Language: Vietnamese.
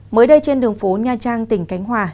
mới đây trên đường phố nha trang tỉnh khánh hòa